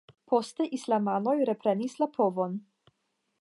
Poste islamanoj reprenis la povon.